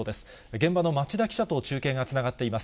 現場の町田記者と中継がつながっています。